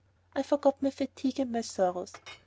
I forgot my fatigue and my sorrows.